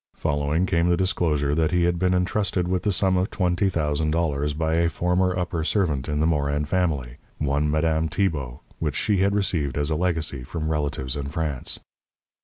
Following came the disclosure that he had been entrusted with the sum of twenty thousand dollars by a former upper servant in the Morin family, one Madame Tibault, which she had received as a legacy from relatives in France.